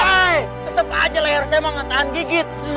hei tetep aja lahir saya mau ngetahan gigit